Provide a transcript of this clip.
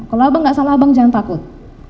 kalau abang nggak salah abang jangan takut